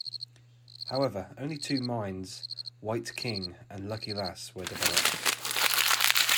However, only two mines, "White King" and "Lucky Lass", were developed.